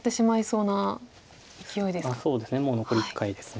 そうですねもう残り１回です。